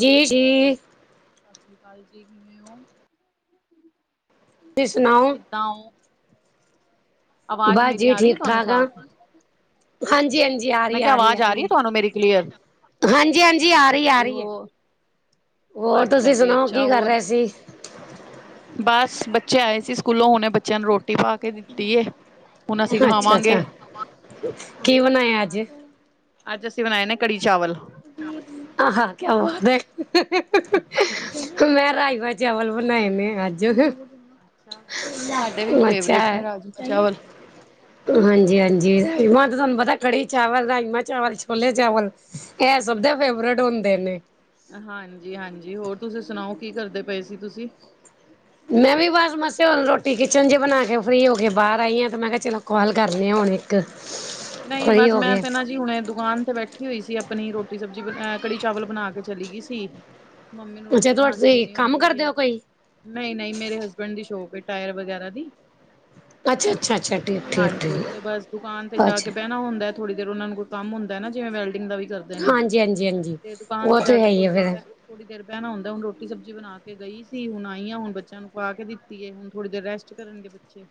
ਜੀ ਜੀ ਸਾ ਸਰੀ ਕਾਲ ਜੀ, ਕਿਵੇਂ ਓਂ? ਤੁਸੀ ਸੁਣਾਓ? ਤਾਂਉ। ਬਸ ਜੀ ਆ ਰਹੀ ਹੈ ਤੁਹਾਨੂੰ ਠੀਕ-ਠਾਕ ਆਂ। ਸਾਫ਼ ਹਾਂਜੀ ਹਾਂਜੀ, ਆ ਮੈਂ ਰੀ ਕਿਹਾ ਆ ਰੀ ਆ ਆਵਾਜ਼ ਰੀ ਰਹੀ ਐ? ਹੈ ਤੁਹਾਨੂੰ ਮੇਰੀ ਕਲੀਅਰ ਹਾਂਜੀ ਹਾਂਜੀ, ਆ ਰੀ ਅੱਛਾ ਆ ਜੀ ਰੀ ਹੋ ਐ। ਹੋਰ ਅੱਛਾ ਤੁਸੀਂ ਜੀ ਸੁਣਾਓ ਅੱਛਾ ਕੀ ਕਰ ਹੋਰ ਰਏ ਸੀ? ਬਸ ਬੱਚੇ ਆਏ ਸੀ ਸਕੂਲੋਂ ਹੁਣੇ ਬੱਚਿਆਂ ਨੂੰ ਰੋਟੀ ਪਾ ਕੇ ਦਿੱਤੀ ਏ, ਹੁਣ ਅਸੀਂ ਅੱਛਾ ਖਾਵਾਂਗੇ। ਅੱਛਾ ਕੀ ਬਨਾਇਆ ਅੱਜ? ਅੱਜ ਅਸੀਂ ਬਨਾਏ ਨੇ ਕੜੀ-ਚਾਵਲ। ਆਹਾ ਕਿਆ ਬਾਤ ਹ ਹ ਹਹ ਮੈਂ ਰਾਅਮਾਂ-ਚਾਵਲ ਬਨਾਏ ਨੇ ਅੱਜ ਅੱਛਾ ਸਾਡੇ ਵੀ ਬੱਚਾ ਫੇਵਰੇਟ ਨੇ ਰਾਜਮਾਂ ਚਾਵਲ ਹਾਂਜੀ-ਹਾਂਜੀ, ਓ ਤਾਂ ਸਾਨੂੰ ਪਤਾ ਕੜੀ-ਚਾਵਲ, ਰਾਜਮਾਂ- ਚਾਵਲ, ਛੋਲੇ-ਚਾਵਲ ਐ ਸਭ ਦੇ ਫੇਵਰੇਟ ਹੁੰਦੇ ਨੇ। ਹਾਂਜੀ-ਹਾਂਜੀ, ਹੋਰ ਤੁਸੀਂ ਸੁਣਾਓ ਕੀ ਕਰਦੇ ਪਏ ਸੀ? ਮੈਂ ਵੀ ਬਸ ਮਸਾਂ ਹੁਣ ਰੋਟੀ ਕਿਚਨ 'ਚ ਬਣਾ ਕੇ ਫਰੀ ਹੋ ਕੇ ਬਾਰ ਆਈ ਆਂ, ਤਾਂ ਮੈਂ ਕਿਹਾ ਚਲੋ ਕੋਲ ਕਰਨੇ ਆਂ ਹੁਣੇ ਤੇ ਨਹੀਂ ਓਈ ਬਸ ਓ ਮੈਂ ਗਿਐ। ਤੇ ਨਾ ਜੀ ਹੁਣੇ ਦੁਕਾਨ ਤੇ ਬੈਠੀ ਹੋਈ ਸੀ ਆਪਣੀ ਰੋਟੀ-ਸਬਜ਼ੀ ਐ ਕੜੀ-ਚਾਵਲ ਬਨਾ ਕੇ ਚਲੀ ਗਈ ਸੀ। ਮੰਮੀ ਨੂੰ ਅੱਛਾ ਤੁਆਡੇ ਤੁਸੀਂ ਕੰਮ ਕਰਦੇ ਓ ਕੋਈ? ਨਈਂ-ਨਈਂ ਮੇਰੇ ਹਸਬੈਂਡ ਦੀ ਸੌਪ ਏ ਟਾਇਰ ਵਗੈਰਾ ਦੀ ਅੱਛਾ-ਅੱਛਾ-ਅੱਛਾ, ਹਾਂਜੀ ਠੀ-ਠੀਕ-ਠੀਕ ਤੇ ਬਸ ਦੁਕਾਨ ਤੇ ਜਾ ਕੇ ਬੈਨਾ ਹੁੰਦੈ ਥੋੜ੍ਹੀ ਦੇਰ ਓਨਾਂ ਨੂੰ ਕੋਈ ਕੰਮ ਹੁੰਦਾ ਐ ਨਾ ਜਿਵੇਂ ਵੈਲਡਿੰਗ ਦਾ ਵੀ ਕਰਦੇ ਨੇ ਹਾਂਜੀ-ਹਾਂਜੀ-ਹਾਂਜੀ, ਓ ਤੇ ਹੈ ਹੀ ਐ ਫਿਰ ਥੋੜ੍ਹੀ ਦੇਰ ਬੈਨਾ ਹੁੰਦੈ ਹੁਨ ਰੋਟੀ-ਸਬਜੀ ਬਨਾ ਕੇ ਗਈ ਸੀ, ਹੁਨ ਆਈ ਆਂ ਹੁਨ ਬੱਚਿਆਂ ਨੂੰ ਪਾ ਕੇ ਦਿੱਤੀ ਏ ਹੁਨ ਥੋੜ੍ਹੀ ਦੇਰ ਰੈਸ ਟ ਕਰਨਗੇ ਬੱਚੇ।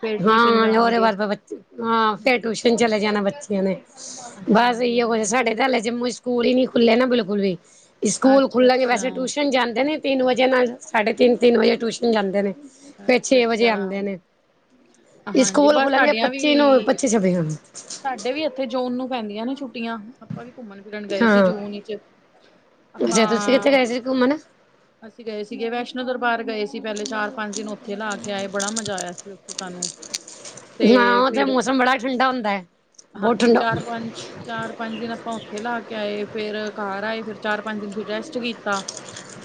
ਫੇਰ ਟਿਊਸ਼ਨ ਹਾਂ ਓਦੇ ਜਾਣਗੇ ਬਾ ਫੇਰ ਬੱਚੇ ਹਾਂ, ਫੇਰ ਟਿਊਸ਼ਨ ਚਲੇ ਜਾਨੈ ਬੱਚਿਆਂ ਨੇ ਬਸ ਏ ਹਾਂਜੀ ਈ ਓ ਕੁਛ, ਹਾਂਜੀ ਸਾਡੇ ਤਾਂ ਹਲੇੇ ਜੰਮੂ 'ਚ ਸਕੂਲ ਹੀ ਨੀ ਖੁੱਲੇ ਨਾ ਬਿਲਕੁਲ ਵੀ। ਈ ਸਕੂਲ ਅੱਛਾ ਖੁੱਲ੍ਹ ਵੈਸੇ ਅੱਛਾ ਟਿਊਸ਼ਨ ਜਾਂਦੇ ਨੇਂ ਤੀਨ ਵਜੇ ਨਾਲ ਸਾਢੇ ਤੀਨ ਤੀਨ ਵਜੇ ਟਿਊਸ਼ਨ ਜਾਂਦੇ ਨੇ, ਫਿਰ ਛੇ ਵਜੇ ਆਂਦੇ ਅੱਛਾ-ਅੱਛਾ ਨੇ। ਹਾਂਜੀ, ਸਕੂਲ ਬਸ ਖੁੱਲਣਗੇ ਸਾਡੀਆਂ ਪੱਚੀ ਨੂੰ ਵੀ ਪੱਚੀ ਛੱਬੀ ਨੂੰ ਸਾਡੇ ਵੀ ਏਥੇ ਜੂਨ ਨੂੰ ਪੈਂਦੀਆਂ ਨੇ ਛੁੱਟੀਆਂ। ਆਪਾਂ ਵੀ ਘੁੰਮਨ-ਫਿਰਨ ਗਏ ਸੀ ਹਾਂ ਜੂਨ ਈ 'ਚ ਆਪਾਂ ਅੱਛਾ ਤੁਸੀਂ ਕਿੱਥੇ ਗਏ ਸੀ ਘੁੰਮਣ ਅਸੀਂ ਗਏ ਸੀਗੇ ਵੈਸ਼ਨੋ ਦਰਬਾਰ ਗਏ ਸੀ ਪੈਲੇ ਚਾਰ ਪੰਜ ਦਿਨ ਓਥੇ ਲਾ ਕੇ ਆਏ ਬੜਾ ਮਜ਼ਾ ਆਇਆ ਸੀ ਓਥੇ ਸਾਨੂੰ ਹਾਂ ਤੇ ਉੱਥੇ ਫਿਰ ਮੌਸਮ ਬੜਾ ਠੰਡਾ ਹੁੰਦਾ ਹੈ ਬਹੁਤ ਹਾਂਜੀ ਠੰਡਾ ਚਾਰ-ਪੰਜ ਚਾਰ-ਪੰਜ ਦਿਨ ਆਪਾਂ ਉੱਥੇ ਲਾ ਕੇ ਆਏ, ਫੇਰ ਕਰ ਆਏ ਫਿਰ ਚਾਰ-ਪੰਜ ਦਿਨ ਫਿਰ ਰੈਸਟ ਕੀਤਾ।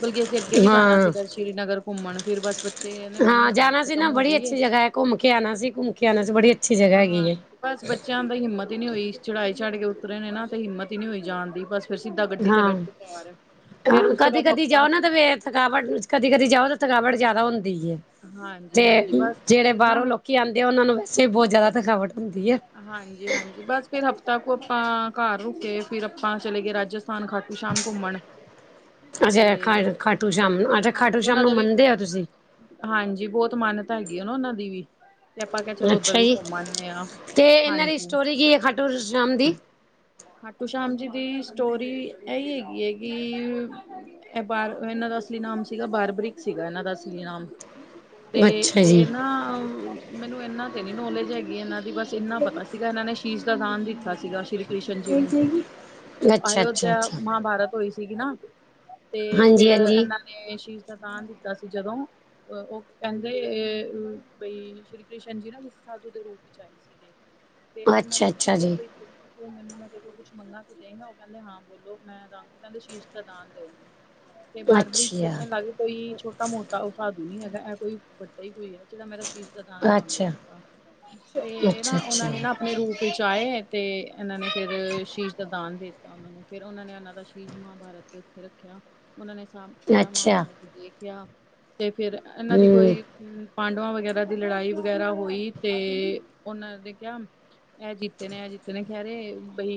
ਬਲਕਿ ਅਸੀਂ ਅੱਗੇ ਵੀ ਜਾਨਾ ਹਾਂ ਸੀਗਾ ਸ਼੍ਰੀ ਨਗਰ ਘੁੰਮਣ ਫਿਰ ਬਸ ਬਚ ਹਾਂ ਜਾਨਾ ਸੀ ਨਾ ਬੜੀ ਅੱਛੀ ਜਗ੍ਹਾ ਐ, ਕੁੰਮ ਕੇ ਆਨਾ ਸੀ, ਕੁੰਮ ਕੇ ਆਨਾ ਸੀ, ਬੜੀ ਅੱਛੀ ਜਗਾ ਹੈਗੀ ਹਾਂ ਏ। ਬਸ ਬੱਚਿਆਂ ਦਾ ਹਿੰਮਤ ਈ ਨੀ ਹੋਈ ਚੜ੍ਹਾਈ ਚੜ ਕੇ ਉਤਰੇ ਨੇ ਨਾ ਤੇ ਹਿੰਮਤ ਹੀ ਨੀ ਹੋਈ ਜਾਣ ਦੀ ਬਸ ਫਿਰ ਸਿੱਧਾ ਗੱਡੀ ਤੇ ਹਾਂ ਬੈਠੇ ਘਰ ਫੇਰ ਹਾਂ ਉਸ ਤੋਂ ਬਾਅਦ ਕਦੀ-ਕਦੀ ਹਫ਼ਤਾ ਜਾਓ ਨਾ ਵੇਖ ਥਕਾਵਟ ਚ ਕਦੀ-ਕਦੀ ਜਾਓ ਤਾਂ ਥਕਾਵਟ ਜ਼ਿਆਦਾ ਹੁੰਦੀ ਏ। ਹਾਂਜੀ-ਹਾਂਜੀ ਬਸ ਫਿਰ ਨਾਂ ਕੀ ਆਉਂਦੇ ਆ ਉਹਨਾਂ ਨੂੰ ਵੈਸੇ ਬਹੁਤ ਜ਼ਿਆਦਾ ਥਕਾਵਟ ਹੁੰਦੀ ਹੈ। ਹਾਂਜੀ-ਹਾਂਜੀ ਬਸ ਫਿਰ ਹਫ਼ਤਾ ਕੁ ਆਪਾਂ ਘਰ ਰੁਕੇ, ਫਿਰ ਆਪਾਂ ਚਲੇ ਗਏ ਰਾਜਸ ਖਾਨ ਖਾਟੂ ਸ਼ਾਮ ਘੁੰਮਣ ਤੇ ਅੱਛਾ ਖਾ ਖਾਟੂ ਸ਼ਾਮ ਨੂੰ ਅੱਛਾ ਖਾਟੂ ਹਾਂਜੀ ਸ਼ਾਮ ਉਹਨਾਂ ਨੂੰ ਦਾ ਵੀ ਮੰਨਦੇ ਹੋ ਤੁਸੀਂ। ਹਾਂਜੀ ਬਹੁਤ ਮਾਨਤਾ ਹੈਗੀ ਆ ਨਾਂ ਉਹਨਾਂ ਦੀ ਵੀ, ਤੇ ਆਪਾਂ ਕਿਹਾ ਚਲੋ ਉੱਧਰ ਵੀ ਘੁੰਮ ਆਂਦੇ ਹਾਂ। ਅਤੇ ਇਹਨਾਂ ਦੀ ਸਟੋਰੀ ਕੀ ਹੈ ਖਾਟੂ ਸ਼ਾਮ ਦੀ। ਖਾਟੂ ਸ਼ਾਮ ਜੀ ਦੀ ਸਟੋਰੀ ਇਹੀ ਹੈਗੀ ਏ ਕੀ ਇਹ ਬਾਰ ਇਹਨਾਂ ਦਾ ਅਸਲੀ ਨਾਮ ਸੀਗਾ ਬਾਰਬਰਿਕ ਸੀਗਾ ਇਹਨਾਂ ਦਾ ਅਸਲੀ ਨਾਮ। ਤੇ ਅੱਛਾ ਇਹ ਜੀ ਨਾਂ ਮੈਨੂੰ ਇਹਨਾਂ ਤੇ ਨੀ ਨੌਲੇਜ ਹੈਗੀ ਇਹਨਾਂ ਦੀ ਬਸ ਇੰਨਾ ਪਤਾ ਸੀਗਾ ਇਹਨਾਂ ਨੇ ਸ਼ੀਸ਼ ਦਾ ਦਾਨ ਦਿੱਤਾ ਸੀਗਾ ਸ਼੍ਰੀ ਕ੍ਰਿਸ਼ਨ ਜੀ ਨੂੰ, ਅੱਛਾ ਅੱਛਾ ਅਯੋਧਿਆ ਅੱਛਾ ਮਹਾਂਭਾਰਤ ਹੋਈ ਸੀਗੀ ਨਾਂ ਤੇ ਫਿਰ ਹਾਂਜੀ ਹਾਂਜੀ ਇਹਨਾਂ ਨੇਂ ਸ਼ੀਸ਼ ਦਾ ਦਾਨ ਦਿੱਤਾ ਸੀ ਜਦੋਂ ਉਹ ਕਹਿੰਦੇ ਬਈ ਸ੍ਰੀ ਕ੍ਰਿਸ਼ਨ ਜੀ ਨਾਂ ਕਿਸੇ ਸਾਧੂ ਦੇ ਵਿੱਚ ਆਏ ਸੀ। [inaudible] ਅੱਛਾ-ਅੱਛਾ ਜੀ ਤੂੰ ਮੈਨੂੰ ਮੈਂ ਤੇਰੇ ਕੋਲ ਕੁਛ ਮੰਗਾਂਗਾ ਤੂੰ ਦੇਂਗਾ ਮੈਂਨੂੰ, ਉਹ ਕਹਿੰਦਾ ਹਾਂ ਬੋਲੋ ਮੈਂ ਦਾਗਾਂ, ਉਹ ਕਹਿੰਦੇ ਸ਼ੀਸ਼ ਦਾ ਦਾਨ ਦਊ ਮੈਨੂੰ। ਤੇ ਬਾਰਬਰੀਕ ਅੱਛਾ ਸੋਚਣ ਲੱਗ ਕੋਈ ਛੋਟਾ-ਮੋਟਾ ਉਹ ਸਾਧੂ ਨੀਂ ਹੈਗਾ, ਇਹ ਕੋਈ ਵੱਡਾ ਹੀ ਕੋਈ ਆ ਜਿਹੜਾ ਮੇਰਾ ਸ਼ੀਸ਼ ਦਾ ਦਾਨ ਮੰਗ ਅੱਛਾ ਰਿਹਾ, ਤੇ ਅੱਛਾ ਨਾਂ ਉਹਨਾਂ ਨੇਂ ਨਾਂ ਅੱਛਾ ਆਪਣੇ ਰੂਪ ਵਿੱਚ ਆਏ ਅਤੇ ਇਹਨਾਂ ਨੇ ਫਿਰ ਸ਼ੀਸ਼ ਦਾ ਦਾਨ ਦੇ ਦਿੱਤਾ ਉਹਨਾਂ ਨੂੰ, ਫਿਰ ਉਹਨਾਂ ਨੇ ਇਹਨਾਂ ਦਾ ਸ਼ੀਸ਼ ਮਹਾਭਾਰਤ ਤੇ ਉੱਥੇ ਰੱਖਿਆਂ ਉਹਨਾਂ ਨੇ ਸ ਸਾਰਾ ਅੱਛਾ ਮਹਾਂਭਾਰਤ ਦੇਖਿਆਂ, ਤੇ ਫਿਰ ਇਹਨਾਂ ਦੀ ਹਮ ਕੋਈ ਪਾਂਡਵਾਂ ਵਗੈਰਾ ਦੀ ਲੜਾਈ ਵਗੈਰਾ ਹੋਈ, ਤੇ ਉਹਨਾਂ ਨੇਂ ਕਿਹਾ ਇਹ ਜਿੱਤੇ ਨੇਂ ਇਹ ਜਿੱਤੇ ਨੇਂ। ਖਹਿਰੇ ਬਈ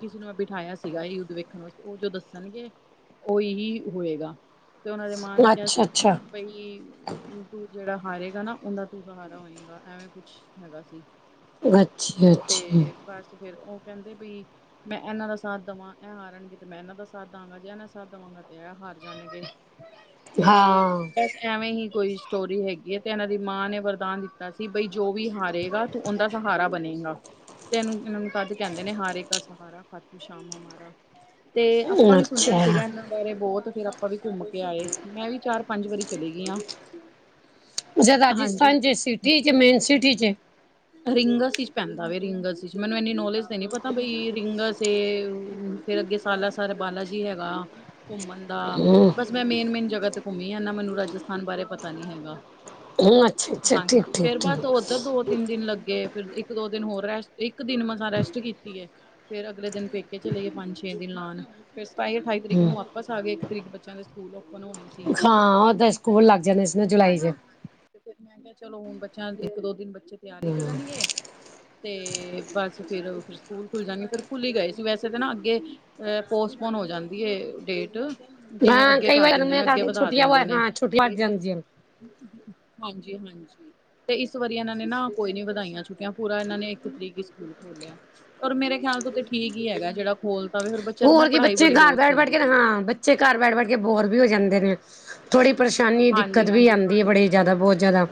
ਕਿਸੇ ਨੂੰ ਮੈਂ ਬਿਠਾਇਆ ਸੀਗਾ ਐ ਯੁੱਧ ਵੇਖਣ ਵਾਸਤੇ, ਉਹ ਜੋ ਦੱਸਣਗੇ ਉਹੀ ਹੀ ਹੋਏਗਾ। ਤੇ ਉਹਨਾਂ ਦੇ ਮਾਂ ਨੇ ਕਿਹਾ ਅੱਛਾ ਸੀਗਾ ਨਾ ਅੱਛਾ ਬਈ ਤੂੰ ਜਿਹੜਾ ਹਾਰੇਗਾ ਨਾਂ ਉਹਦਾ ਤੂੰ ਸਹਾਰਾ ਹੋਏਗਾ। ਐਵੇਂ ਕੁਛ ਹੈਗਾ ਸੀ। ਅੱਛਾ-ਅੱਛਾ। ਬਸ ਤੇ ਫੇਰ ਉਹ ਕਹਿੰਦੇ ਬਈ ਮੈਂ ਇਹਨਾਂ ਦਾ ਸਾਥ ਦੇਵਾਂ ਇਹ ਹਾਰਨਗੇ ਤੇ ਮੈਂ ਇਹਨਾਂ ਦਾ ਸਾਥ ਦਵਾਂਗਾ, ਜੇ ਇਹ ਦਾ ਸਾਥ ਦੇਵਾਂਗਾ ਤੇ ਇਹ ਹਾਰ ਜਾਣਗੇ। ਤੇ ਹਾਂ ਬਸ ਐਵੇਂ ਹੀ ਕੋਈ ਸਟੋਰੀ ਹੈਗੀ ਹੈ, ਤੇ ਇਹਨਾਂ ਦੀ ਮਾਂ ਨੇ ਵਰਦਾਨ ਦਿੱਤਾ ਸੀ ਬਈ ਜੋ ਵੀ ਹਾਰੇਗਾ ਉਹਦਾ ਸਹਾਰਾ ਬਣੇਗਾ। ਤੇ ਇਹਨੂੰ-ਇਹਨੂੰ ਤਦ ਕਹਿੰਦੇ ਨੇ ਹਾਰੇ ਕਾ ਸਹਾਰਾ ਖਾਟੂ ਸ਼ਾਮ ਹਮਾਰਾ। ਤੇ ਆਪਾਂ ਵੀ ਸੁਣਿਆ ਅੱਛਾ ਸੀਗਾ ਇਹ ਬਾਰੇ ਬਹੁਤ ਫੇਰ ਆਪਾਂ ਵੀ ਘੁੰਮ ਕੇ ਆਏ ਮੈਂ ਵੀ ਚਾਰ ਪੰਜ ਵਾਰੀ ਚਲੇ ਗਈ ਆ। ਜ ਰਾਜਸਥਾਨ ਚ ਸਿਟੀ ਚ ਮੇਨ ਸਿਟੀ ਚ। ਰਿੰਗਸ ਚ ਪੈਂਦਾ ਵੇ ਰਿੰਗਸ ਚ ਮੈਨੂੰ ਇਨੀ ਨੌਲੇਜ ਤੇ ਨੀ ਪਤਾ ਬਈ ਰਿੰਗਾਸ ਫੇਰ ਅੱਗੇ ਸਾਲਾਸਰਾ ਬਾਲਾ ਜੀ ਹੈਗਾ। ਘੁੰਮਣ ਦਾ ਬਸ ਮੈਂ ਮੇਨ ਮੇਨ ਜਗ੍ਹਾ ਤੇ ਘੁੰਮੀ ਆ ਇਨਾ ਮੈਨੂੰ ਰਾਜਸਥਾਨ ਬਾਰੇ ਪਤਾ ਨੀ ਹੈਗਾ। ਹਾਂਜੀ ਫੇਰ ਬਸ ਓਧਰ ਦੋ ਓ ਤਿੰਨ ਦਿਨ ਲੱਗੇ ਫਿਰ ਇੱਕ ਦੋ ਦਿਨ ਹੋਰ ਰੈਸਟ ਇੱਕ ਦਿਨ ਮਸ ਰੈਸਟ ਕੀਤੀ ਐ। ਫੇਰ ਅਗਲੇ ਦਿਨ ਪੇਕੇ ਚਲੇ ਗਏ ਪੰਜ-ਛੇ ਦਿਨ ਲਾਣ। ਫਿਰ ਸਤਾਈ, ਅਠਾਈ ਤਰੀਕ ਨੂੰ ਵਾਪਸ ਆ ਗਏ, ਇੱਕ ਤਰੀਕ ਬੱਚਿਆਂ ਦੇ ਸਕੂਲ ਓਪਨ ਹੋਣੇ ਸੀ। ਹਾਂ ਫਿਰ ਉਧਰ ਮੈਂ ਸਕੂਲ ਕਿਹਾ ਲੱਗ ਜਾਣੇ ਸੀਗੇ ਹਾਂਜੀ ਜੁਲਾਈ ਚ। ਹਾਂਜੀ ਤੇ ਫਿਰ ਮੈਂ ਕਿਹਾ ਚਲੋ ਹੁਣ ਬੱਚਿਆਂ ਇੱਕ ਦੋ ਦਿਨ ਬੱਚੇ ਤਿਆਰੀ ਕਰਨਗੇ। ਤੇ ਬਸ ਫੇਰ ਓ ਸਕੂਲ ਖੁੱਲ ਜਾਣੀ ਫਿਰ ਖੁੱਲੀ ਗਏ ਸੀ ਵੈਸੇ ਤਾਂ ਨਾ ਅੱਗੇ ਪੋਸਟਪੋਨ ਹੋ ਜਾਂਦੀ ਐ ਡੇਟ ਜਿਵੇਂ ਹਾਂ ਅੱਗੇ ਕਈ ਕਰ ਵਾਰ ਦਿੰਦੇ ਨੇ ਰਮੀਆਂ ਅੱਗੇ ਕਰਕੇ ਛੁੱਟੀਆਂ ਵ ਹਾਂ ਛੁੱਟੀਆਂ ਵਧ ਜਾਂਦੀਐ। ਹਾਂਜੀ-ਹਾਂਜੀ ਤੇ ਇਸ ਵਾਰੀ ਇਨਾਂ ਨੇ ਨਾ ਕੋਈ ਨੀ ਵਧਾਈਆਂ ਛੁੱਟੀਆਂ ਪੂਰਾ ਇਨਾਂ ਨੇ ਇੱਕ ਤਰੀਕ ਈ ਸਕੂਲ ਖੋਲਿਆ। ਔਰ ਮੇਰੇ ਖਿਆਲ ਤੋਂ ਤੇ ਠੀਕ ਹੀ ਹੈਗਾ ਜਿਹੜਾ ਖੋਲ ਤਾਂ ਵੀ ਬੱਚਾ ਦੀ ਨਾ ਹੋਰ ਕੀ ਪੜ੍ਹਾਈ ਬੱਚੇ ਬੜੀ ਘਰ ਲੋਸ ਬੈਠ ਬੈਠ ਚੱਲਦੀ ਕੇ ਪਈ ਐ। ਹਾਂ ਬੱਚੇ ਘਰ ਬੈਠ-ਬੈਠ ਕੇ ਬੋਰ ਵੀ ਹੋ ਜਾਂਦੇ ਨੇ। ਥੋੜ੍ਹੀ ਪਰੇਸ਼ਾਨੀ ਹਾਂਜੀ ਦਿੱਕਤ ਵੀ ਹਾਂਜੀ ਆਂਦੀ ਐ ਬੜੀ ਜਾਦਾ ਬੋਤ ਜਾਦਾ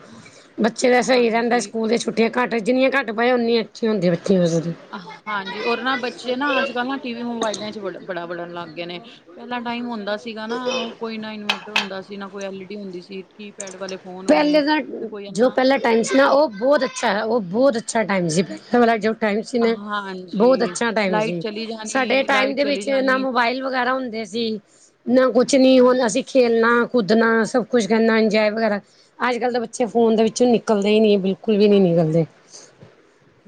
ਬੱਚੇ ਤਾਂ ਸਈ ਰੈਂਦੇ ਹਾਂਜੀ ਸਕੂਲ ਛੁੱਟੀਆਂ ਘੱਟ ਜਿੰਨੀਆਂ ਘੱਟ ਪਏ ਉਨੀ ਅੱਛੀਆ ਹੁੰਦੀ ਬੱਚੇ ਵੈਸੇ ਤੇ ਹਾਂਜੀ ਔਰ ਨਾ ਬੱਚੇ ਨਾ ਅੱਜ ਕੱਲ੍ਹ ਨਾ ਟੀ ਵੀ ਮੋਬਾਇਲਾਂ 'ਚ ਵੜੇ ਬੜਾ ਬੜਨ ਲੱਗ ਗਏ ਨੇ ਪੈਲਾਂ ਟਾਈਮ ਹੁੰਦਾ ਸੀਗਾ ਨਾ ਓ ਕੋਈ ਨਾ ਇਨਵੇਟਰ ਹੁੰਦਾ ਸੀ ਨਾ ਕੋਈ ਐਲ ਈ ਡੀ ਹੁੰਦੀ ਸੀ ਕੀਪੈਡ ਵਾਲੇ ਫੋਨ ਹੋਣੇ ਪੈਲੇ ਦਾ ਤੇ ਕੋਈ ਜੋ ਇਨਾ ਪੈਲਾ ਟੈਮ ਸੀ ਨਾ ਓ ਬੋਤ ਅੱਛਾ ਐ ਓ ਬੋਤ ਅੱਛਾ ਟੈਮ ਸੀ ਪੈਲਾਂ ਵਾਲਾ ਜੋ ਟੈਮ ਸੀ ਨਾ ਹਾਂਜੀ ਬੋਤ ਅੱਛਾ ਟੈਮ ਲਾਈਟ ਸੀ ਚਲੀ ਜਾਣੀ ਸਾਡੇ ਟੈਮ ਲਾਈਟ ਦੇ ਚਲੀ ਵਿੱਚ ਨਾ ਜਾਣੀ ਮੋਬਾਈਲ ਵਗੈਰਾ ਹੁੰਦੇ ਸੀ। ਨਾ ਕੁਛ ਨੀ ਹਾਂਜੀ ਅਸੀਂ ਖੇਲਣਾ ਕੁਦਣਾ ਸਭ ਕੁਛ ਕਰਨਾ ਇਨਜੋਅ ਵਗੈਰਾ ਅੱਜ ਕੱਲ ਦੇ ਬੱਚੇ ਫੋਨ ਦੇ ਵਿੱਚੋਂ ਨਿਕਲਦੇ ਈ ਨੀ ਬਿਲਕੁਲ ਵੀ ਨੀ ਨਿਕਲਦੇ [inaudible]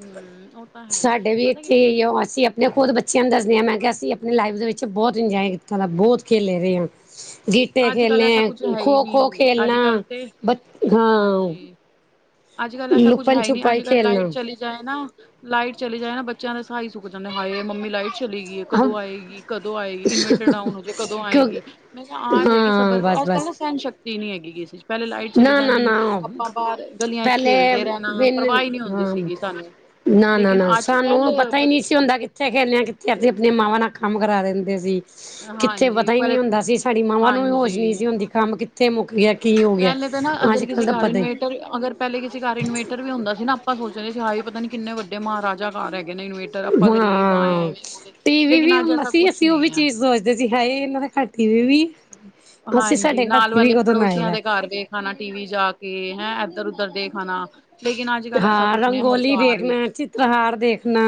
ਉਹ ਤਾਂ ਹੈ ਸਾਡੇ ਵੀ ਪਤਾ ਕਿ ਇੱਥੇ ਈ ਓ ਅਸੀਂ ਆਪਣੇ ਖੁਦ ਬੱਚਿਆਂ ਨੂੰ ਦੱਸਦੇ ਹਾਂ ਮੈਂ ਕਿਆ ਅਸੀਂ ਹਾਂਜੀ ਆਪਣੀ ਲਾਈਫ ਦੇ ਵਿੱਚ ਤੇ ਬੋਤ ਇੰਜੋਏ ਕੀਤਾ ਦਾ ਬੋਤ ਖੇਲੇ ਦੇ ਆਂ। ਗਿੱਟੇ ਅੱਜ ਕੱਲ ਐਸਾ ਕੁਛ ਖੇਲਣੇ ਹੈ ਹੀ ਖੋ-ਖੋ ਨਹੀਂ ਖੇਲਣਾ ਅੱਜ ਕੱਲ ਤੇ ਬ ਹਾਂ। ਹਾਂਜੀ ਅੱਜ ਕੱਲ ਐਸਾ ਕੁੱਝ ਹੈ ਈ ਨੀ ਅੱਜ ਕੱਲ ਲਾਈਟ ਚਲੀ ਜਾਏ ਨਾ ਲਾਈਟ ਚਲੀ ਜਾਏ ਨਾ ਬੱਚਿਆਂ ਦੇ ਸਾਹ ਈ ਸੁੱਕ ਜਾਂਦੇ ਹਾਏ ਮੰਮੀ ਲਾਈਟ ਚਲੀ ਗਈ ਹੈ ਕਦੋਂ ਆਏਗੀ ਕਦੋਂ ਆਏਗੀ ਇਨਵੇਰਟਰ ਡਾਊਨ ਹੋ ਜਾਏ ਕਦੋਂ ਆਏਗੀ। ਮੈ ਆ ਜਾਏਗੀ ਸਬਰ ਕਰੋ ਅੱਜ ਕੱਲ ਨਾ ਸਹਿਣਸ਼ਕਤੀ ਨੀ ਹੈਗੀ ਕਿਸੇ 'ਚ ਪੈਲੇ ਲਾਈਟ ਚਲੀ ਜਾਣੀ ਆਪਾਂ ਬਾਰ ਪੈਲੇ ਵੇਨਨ ਹਾਂ ਸੀਗੀ ਸਾਨੂੰ ਲੇਕਿਨ ਨਾ-ਨਾ ਅੱਜ ਕੱਲ ਸਾਨੂੰ ਪਤਾ ਈ ਬ ਨੀ। ਕਿਸ ਹੁੰਦਾ ਕਿੱਥੇ ਖੇਲਣੇ ਹ ਕਿੱਥੇ ਅਸੀਂ ਆਪਣੀ ਮਾਵਾਂ ਨਾਲ ਕੰਮ ਕਰਾ ਦਿੰਦੇ ਸੀ। ਕਿੱਥੇ ਹਾਂਜੀ ਪਤਾ ਈ ਨਈ ਪਰ ਹੁੰਦਾ ਸੀ ਸਾਡੀ ਮਾਵਾਂ ਨੂੰ ਵੀ ਹੋਸ਼ ਨਈ ਹਾਂਜੀ ਸੀ ਹੁੰਦੀ ਕੰਮ ਕਿੱਥੇ ਮੁੱਕ ਗਿਆ ਕੀ ਹੋ ਗਿਆ। ਪਹਿਲੇ ਨਾ ਅੱਜ ਅਗਰ ਕੱਲ ਕਿਸੇ ਦਾ ਕਾਰ ਪਤਾ ਹੀ ਇਨਵੇਟਰ ਅਗਰ ਪੈਲੇ ਕਿਸੇ ਅਗਰ ਘਰ ਇਨਵੇਟਰ ਵੀ ਹੁੰਦਾ ਸੀ ਨਾ ਆਪਾਂ ਸੋਚਦੇ ਸੀ ਨਾ ਵੀ ਪਤਾ ਨੀ ਕਿੰਨੇ ਵੱਡੇ ਜੇ ਮਹਾਰਾਜਾ ਘਰ ਹੈਗੇ ਨੇ ਇਨਵੇਟਰ ਆਪਾਂ ਗਰੀਬ ਆਂ ਹਾਂ ਲੇਕਿਨ ਅੱਜ ਐਸਾ ਕੁਛ ਨੀ ਆ। ਦੇ ਅਸੀਂ ਹੈ ਈ ਇਨਾਂ ਦੇ ਘਾਰ ਟੀ ਵੀ ਵੀ ਅਸੀਂ ਹਾਂਜੀ ਸਾਡੇ ਘਰ ਨਾਲ ਟੀ ਵੀ ਵਾਲੇ ਕਦੋਂ ਨਾ ਪੜੋਸੀਆਂ ਆਏਗਾ ਦੇ ਘਰ ਵੇਖ ਖਾਣਾ ਟੀ ਵੀ ਜਾ ਕੇ ਹੈਂ ਇੱਧਰ ਉਧਰ ਦੇ ਦੇਖ ਆਣਾ। ਲੇਕਿਨ ਅੱਜ ਕੱਲ ਐਸਾ ਹਾਂ ਕੁਛ ਨਹੀਂ ਹਰ ਰੰਗੋਲੀ ਘਰ ਦੇਖਣਾ ਵਿੱਚ ਚਿੱਤਰਹਾਰ ਦੇਖਣਾ।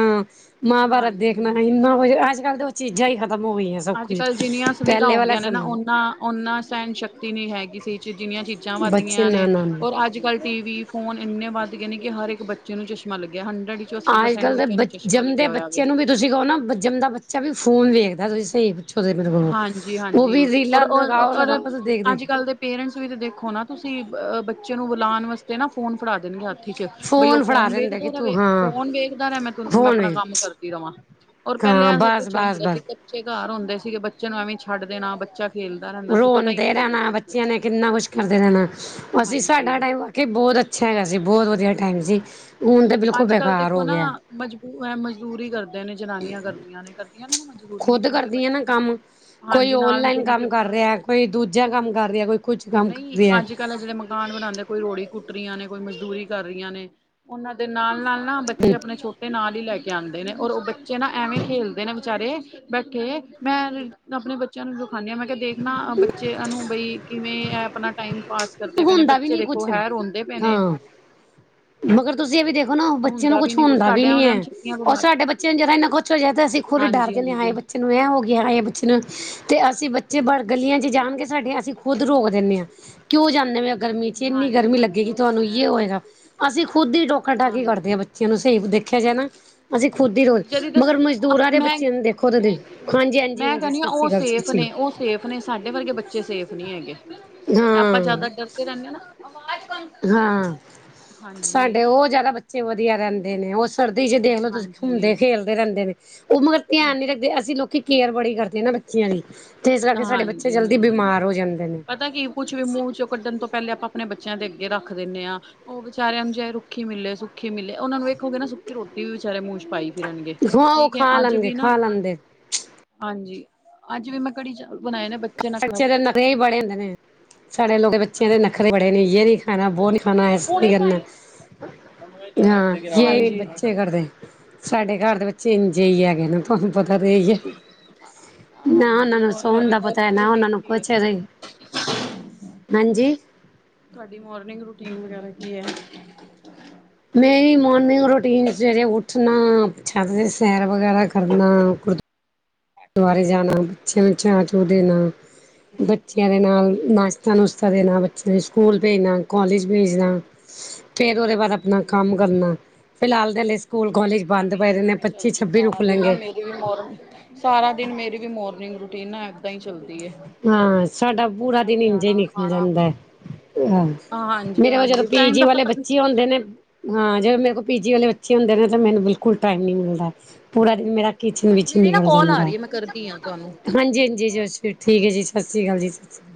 ਮਹਾਭਾਰਤ ਹਾਂਜੀ ਦੇਖਣਾ ਹਾਂਜੀ ਇੰਨਾ ਕੁਛ ਅੱਜ ਕੱਲ੍ਹ ਦੇ ਚੀਜ਼ਾਂ ਈ ਖਤਮ ਹੋਗੀਆਂ ਸਭ ਅੱਜ ਕੁਝ ਕੱਲ੍ਹ ਜਿੰਨੀਆਂ ਸੁਵਿਧਾ ਪੈਲੇ ਵਾਲਾ ਸ਼ਮੇ ਟੀ ਵੀ ਹੈਗੀ ਸੀ ਜਿੰਨੀਆਂ ਚੀਜ਼ਾਂ ਵੱਧਦੀਆਂ ਨੇ ਨਾ-ਨਾ-ਨਾ ਔਰ ਅੱਜ ਕੱਲ੍ਹ ਟੀ ਵੀ ਫੋਨ ਇੰਨੇ ਵੱਧ ਗਏ ਨੇ ਕਿ ਹਰ ਇੱਕ ਬੱਚੇ ਨੂੰ ਚਸ਼ਮਾ ਲੱਗਿਆ ਹੰਡਰਡ ਚੋਂ ਅੱਸੀ ਅੱਜ ਪਰਸੈਂਟ ਕੱਲ੍ਹ ਦੇ ਬੱਚਿਆਂ ਬ ਨੂੰ ਚਸ਼ਮਾ ਜੰਮਦੇ ਲੱਗਿਆ ਹੋਇਆ ਵੇ ਬੱਚੇ ਨੂੰ ਵੀ ਤੁਸੀ ਕਹੋ ਨਾ ਜੰਮਦਾ ਬੱਚਾ ਵੀ ਫੋਨ ਵੇਖਦਾ ਤੁਸੀ ਸਈ ਹਾਂਜੀ-ਹਾਂਜੀ ਔਰ-ਔਰ ਲਗਾਓ-ਲਗਾਓ ਤੇ ਅੱਜ ਦੇਖ-ਦੇਖ ਕੱਲ੍ਹ ਦੇ ਪੇਰੈਂਟਸ ਵੀ ਤਾਂ ਦੇਖੋ ਨਾ ਤੁਸੀ ਅਹ ਬੱਚੇ ਨੂੰ ਬੁਲਾਉਣ ਵਾਸਤੇ ਨਾ ਫੋਨ ਫੜਾ ਦੇਣ ਗੇ ਹੱਥ ਕਿਚਨ ਬਈ ਓ ਫੜਾ ਫੋਨ ਦਿੰਦਾ ਕਿ ਵੇਖਦਾ ਤੂੰ ਰਵੇ ਹਾਂ ਫੋਨ ਵੇਖਦਾ ਰਾਂ ਮੈਂ ਤੇ ਮੈਂ ਫੋਨ ਆਪਣਾ ਕੰਮ ਵੇਖ ਕਰਦੀ ਰਵਾਂ। ਔਰ ਪੈਲੇ ਹਾਂ ਐਸਾ ਕੁਛ ਨੀ ਹੁੰਦਾ ਸੀ ਬਸ-ਬਸ-ਬਸ ਕੱਚੇ ਘਰ ਹੁੰਦੇ ਸੀਗੇ ਬੱਚੇ ਨੂੰ ਐਵੇਂ ਛੱਡ ਦੇਣਾ ਬੱਚਾ ਖੇਲ ਰੋਂਦੇ ਰੈਂਣਾ ਬੱਚਿਆਂ ਨੇ ਕਿੰਨਾ ਕੁਛ ਕਰਦੇ ਰੈਣਾ ਹਾਂ ਅਸੀ ਸਾਡਾ ਹਾਂਜੀ ਟੈਮ ਕੀ ਬੋਤ ਅੱਛਾ ਹੈਗਾ ਸੀ, ਬੋਤ ਵਧੀਆ ਟੈਂਮ ਸੀ। ਹੁਣ ਤਾਂ ਬਿਲਕੁਲ ਬੇਕਾਰ ਹੋ ਗਿਐ। ਮਜ਼ਬੂ, ਮਜ਼ਦੂਰੀ ਕਰਦੇ ਨੇ ਜਨਾਨੀਆਂ ਕਰਦੀਆਂ ਨੇ ਕਰਦੀਆਂ ਨੇ ਨਾ ਮਜ਼ਦੂਰੀ ਖੁਦ ਨਿੱਕੇ ਕਰਦੀ ਆ ਨਾ ਬੱਚੇ ਨਾਲ। ਕੰਮ ਕੋਈ ਹਾਂਜੀ ਨਾਲ ਨਿੱਕੇ ਓਨਲਾਈਨ ਨਿੱਕੇ ਕੰਮ ਕਰ ਰਿਐ, ਕੋਈ ਦੂਜਾ ਕੰਮ ਕਰ ਰਿਆ, ਕੋਈ ਕੁਛ ਕੰਮ ਕਰ ਰਿਐ। ਕਾਨ ਬਣਾਦੇ ਕੋਈ ਰੋੜੀ ਕੁੱਟ ਰੀਆਂ ਨੇ, ਕੋਈ ਮਜ਼ਦੂਰੀ ਕਰ ਰੀਆਂ ਨੇ, ਉਨਾਂ ਦੇ ਨਾਲ- ਨਾਲ ਨਾ, ਬੱਚੇ ਆਪਣੇ ਛੋਟੇ ਨਾਲ ਈ ਲੈ ਕੇ ਆਂਦੇ ਨੇ, ਔਰ ਓ ਬੱ ਬੱਚੇ ਨਾ ਐਵੇਂ ਖੇਲਦੇ ਨੇ ਵਿਚਾਰੇ ਬੈਠੇ ਮੈਂ ਆਪਣੇ ਬੱਚਿਆਂ ਨੂੰ ਦਿਖਾ ਨੀ ਆ ਮੈਂ ਕਿਆ ਦੇ ਖਨਾ ਬੱਚਿਆਂ ਨੂੰ ਬਾਈ ਕਿਵੇਂ ਐ ਆਪਣਾ ਟਾਈਮ ਪਾਸ ਕਰਦੇ ਪਏ ਨੇ ਹੁੰਦਾ ਵੀ ਬੱਚੇ ਨੀ ਦੇਖੋ ਕੁਛ ਹੈ ਰੋਂਦੇ ਪਏ ਨੇ। ਹਾਂ ਮਗਰ ਤੁਸੀ ਏ ਵੀ ਦੇਖੋ ਨਾ ਬੱਚੇ ਨੂੰ ਕੁੱਛ ਨੀ ਕੁਛ ਹੁੰਦਾ ਵੀ ਸਾਡਿਆਂ ਨੀ ਵਾਲਿਆਂ ਐ, ਨੂੰ ਛੁੱਟੀਆਂ ਅੋਰ ਬਿਮਾਰ ਸਾਡੇ ਬੱਚੇ ਨੂੰ ਜਰਾ ਇੰਨਾ ਕੁ ਛ ਹੋਜੇ ਤਾਂ ਅਸੀ ਖੁੱਦ ਡਰ ਹਾਂਜੀ ਜਾਂਨੇ ਆ, ਹਾਂਜੀ ਹਾਏ ਬੱਚੇ ਨੂੰ ਐ ਹੋ ਗਿਆ, ਹਾਏ ਬੱਚੇ ਨੂੰ ਤੇ ਅਸੀ ਬ ਚੇ ਬਾਰ ਗਲੀਆਂ ਚ ਜਾਣਗੇ ਸਾਡੀਆਂ ਅਸੀ ਖੁਦ ਰੋਕ ਦਣੇ ਆ ਕਿਉਂ ਜਾਂਦੇ [unintelligible] ਗਰਮੀ ਚ ਇੰਨੀ ਹਾਂਜੀ ਗਰਮੀ ਹਾਂਜੀ ਲੱਗੇਗੀ ਉਹ ਤਾਂ ਤੁਹਾਨੂੰ ਹੈ ਯੇ ਹੋਏਗਾ ਅਸੀਂ ਖੁਦ ਈ ਟੋਕਾ-ਟਾਕੀ ਕਰਦੇ ਹਾਂਜੀ ਆ ਬੱ ਬੱਚਿਆਂ ਨੂੰ ਸਈ ਦੇਖਿਆ ਜਾਏ ਨਾ ਅਸੀ ਖੁਦ ਈ ਰੋਜ਼ ਜਦੀ ਤਾਂ ਮਗਰ ਮਜ਼ਦੂਰਾਂ ਦੇ ਮੈਂ ਬੱਚਿਆਂ ਨੂੰ ਦੇਖੋ ਕਦੇ ਮੈਂ ਕੈਨੀ ਆ ਓ ਸੇਫ਼ ਨੇ ਓ ਸੇਫ਼ ਨੇ ਸਾਡੇ ਵਰਗੇ ਬੱਚੇ ਸੇਫ਼ ਨੀ ਹੈਗੇ। ਹਾਂ। ਰੇਂਦੇ ਓ ਨਾ [unintelligible] ਆਵਾਜ਼। ਹਾਂ ਸਾਡੇ ਓ ਜਾਦਾ ਬੱਚੇ ਵਧੀਆ ਰੈਂਦੇ ਨੇ ਓ ਸਰਦੀ ਚ ਦੇਖ ਲੋ ਤੁਸੀ ਘੁੰਮਦੇ ਹਾਂਜੀ ਖੇਲਦੇ ਰੈਂਦੇ ਨੇ, ਓ ਮਗਰ ਧਿਆਨ ਨੀ ਰੱਖਦੇ ਅਸੀ ਲੋਕ [unintelligible] ਕੇਅਰ ਬੜੀ ਕਰਦੇ ਆ ਨਾ ਬੱਚਿਆਂ ਦੀ ਤੇ ਇਸ ਕਰਕੇ ਸਾਡੇ ਬੱਚੇ ਹਾਂਜੀ ਜਲਦੀ ਹਾਂਜੀ। ਬਿਮਾਰ ਹੋ ਜਾਂਦੇ ਨੇ। ਪਤਾ ਕੀ ਕੁਛ ਵੀ, ਮੂੰਹ ਚੋਂ ਕੱਢਣ ਤੋਂ ਪੈਲੇ ਆਪਾਂ ਆਪਣੇ ਬੱਚਿਆਂ ਦੇ ਅੱਗੇ ਰੱਖ ਦਿੰਨੇ ਆ ਓ ਵਿਚਾਰਿਆਂ ਨੂੰ ਜੇ, ਰੁੱਖੀ ਮਿਲੇ ਸੁੱਖੀ ਮਿਲੇ ਓਨਾਂ ਨੂੰ ਵੇਖੋ ਗੇ ਨਾ ਸੁੱਕੀ ਰੋਟੀ ਵੀ ਵਿਚਾਰੇ ਮੂੰਹ ਚ ਪਾਈ ਫਿਰਨਗੇ। ਹਾਂ, ਓ ਠੀਕ ਹੈ ਖਾਂ ਅੱਜ ਲੈਂਦੇ, ਵੀ ਨਾ ਖਾਂ ਲੈਂਦੇ। ਹਾਂਜੀ, ਅੱਜ ਵੀ ਮੈਂ ਕੜੀ ਚਾ ਬੱਚਿਆਂ ਦੇ ਨਖਰੇ ਈ ਬੜੇ ਹੁੰਦੇ ਨੇ, ਸਾਡੇ [unintelligible] ਲੋਕ ਬੱਚਿਆਂ ਦੇ ਨਖਰੇ ਬੜੇ ਨੇ ਯੇ ਨੀ ਖਾਣਾਂ ਬੋ ਨੀ ਖਾਣਾ ਐਸੇ ਨੀ ਹੁਣੇ [unintelligible] ਕਰਨਾ ਪਾਈ ਹਾਂ ਯੇ ਹਾਂਜੀ। ਬੱਚੇ ਕਰਦੇ ਸਾਡੇ ਘਰ ਦੇ ਬੱਚੇ ਇੰਜ ਈ ਹੈਗੇ ਨੇ। ਤੁਹਾਨੂੰ ਪਤਾ ਤੇ ਹੀ ਐ ਨਾ ਹਾਂਜੀ ਉਨਾਂ ਹੋਰ ਸੋਣ ਤੁਹਾਡੀ ਦਾ ਪ ਮੋਰਨਿੰਗ ਨਾ ਰੂਟੀਨ ਉਨ੍ਹਾਂ ਕੀ ਏ? ਕੁਛ [unintelligible] ਹਾਂਜੀ ਤੁਹਾਡੀ ਮੋਰਨਿੰਗ ਰੂਟੀਨ ਵਗੈਰਾ ਕੀ ਐ? ਮੇਰੀ ਮੋਰਨਿੰਗ ਰੂਟੀਨ ਸਵੇਰੇ ਉੱਠਣਾ ਛੱਤ ਦੇ ਸੈਰ ਵਗੈਰਾ ਕਰਨਾ। ਦੁਆਰੇ ਹਾਂਜੀ। ਜਾਣਾ, ਬੱਚਿਆਂ ਨੂੰ ਚਾਅ- ਚੂ ਦੇਣਾ ਬੱਚਿਆਂ ਦੇ ਨਾਲ ਨਾਸ਼ਤਾ-ਨੁਸ ਤਾ ਦੇਣਾ, ਨਾ ਬੱਚੇ ਸਕੂਲ ਭੇਜਣਾ, ਕੋਲੇਜ ਭੇਜਣਾ ਫੇਰ ਓਦੇ ਬਾਦ ਆਪਣਾ ਹਾਂਜੀ। ਕੰਮ ਕਰਨਾ ਫਿਲਹਾਲ ਤੇ ਹਲੇ ਸਕੂਲ ਮੇਰੀ ਕੋਲੇਜ ਵੀ ਬੰਦ ਪਏ ਦੇ ਨੇ, ਪੱਚੀ ਛੱਬੀ ਨੂੰ ਖੁੱਲ੍ਹਣਗੇ। ਕਿਵੇਂ ਹੋਰ, [inaudible] ਸਾਰਾ ਦਿਨ ਮੇਰੀ ਵੀ ਮੋਰਨਿੰਗ ਰੂਟੀਨ ਨਾ ਐਦਾਂ ਈ ਚੱਲ [inaudible] ਹਾਂ, ਸਾਡਾ ਪੂਰਾ ਦਿਨ ਇੰਝੇ ਲਿਆਣਾ ਨਿਕਲ ਖਾਣਾ ਜਾਂਦੈ। [inaudible] ਮੇਰੇ ਕੋਲ ਜਦੋਂ ਹਾਂਜੀ-ਹਾਂਜੀ ਟਾਈਮ ਪੀਜੀ ਦਾ ਵਾਲੇ ਪਤਾ ਨੀ ਬੱਚੇ ਔਨਦੇ ਨੇ ਹਾਂ, ਜਦੋਂ ਮੇਰੇ ਕੋਲ ਪੀਜੀ ਵਾਲੇ ਬੱਚੇ ਹੁੰਦੇ ਨੇ ਤਾਂ ਮੈਨੂੰ ਬਿਲਕੁਲ ਟਾਈਮ ਨੀ ਮਿਲਦਾ ਪੂਰਾ ਦਿਨ ਮੇਰਾ ਕਿਚਨ ਵਿੱਚ ਈ ਮੇਰੀ ਨਾ ਨਿਕਲ ਕੋਲ ਆ ਜਾਂਦੈ। ਰੀ ਏ ਮੈਂ ਕਰਦੀ ਆ ਤੁਹਾਨੂੰ। [unintelligible] ਹਾਂਜੀ-ਹਾਂਜੀ, [unintelligible] ਠੀਕ ਐ ਜੀ ਸਸ ਸ਼੍ਰੀ ਕਾਲ ਜੀ ਸਸ ਸ਼ੀ